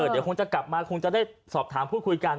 เดี๋ยวคงจะกลับมาคงจะได้สอบถามพูดคุยกัน